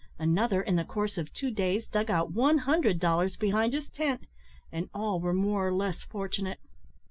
Another, in the course of two days, dug out one hundred dollars behind his tent, and all were more or less fortunate.